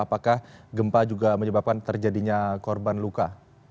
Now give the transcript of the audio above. apakah gempa juga menyebabkan terjadinya korban luka